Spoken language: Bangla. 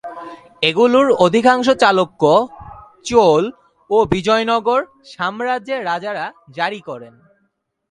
এগুলোর অধিকাংশ চালুক্য, চোল ও বিজয়নগর সাম্রাজ্যের রাজারা জারি করেন।